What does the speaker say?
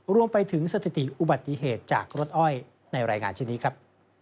รวมไปถึงสถิติอุบัติเหตุจากรถอ้อยในรายงานชิ้นนี้ครับ